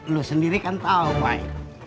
lu sendiri kan tau mai